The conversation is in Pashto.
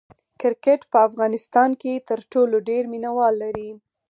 کرکټ په افغانستان کې تر ټولو ډېر مینه وال لري.